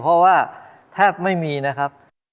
เพราะว่าแทบไม่มีนะครับ